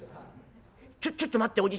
ちょちょっと待っておじさん。